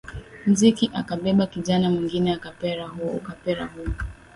muziki akabeba kijana mwingine ukapera huo